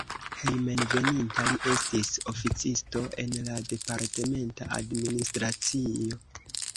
Hejmenveninta li estis oficisto en la departementa administracio.